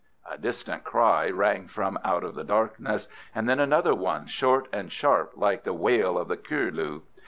A distant cry rang from out of the darkness, and then another one, short and sharp like the wail of the curlew.